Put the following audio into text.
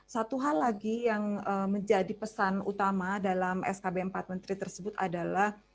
satu hal lagi yang menjadi pesan utama dalam skb empat menteri tersebut adalah